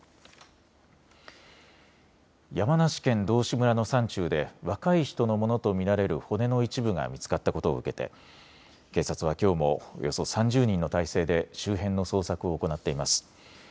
山梨県道志村の山中で若い人のものと見られる骨の一部が見つかったことを受けて警察はきょうもおよそ３０人の態勢で周辺の捜索を行っています。